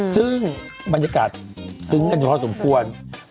ซึ่งบรรยากาศซึ้งกันพอสมควร